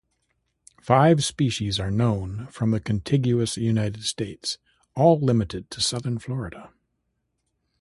Five species are known from the contiguous United States, all limited to southern Florida.